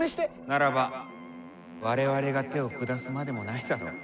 ならば我々が手を下すまでもないだろう。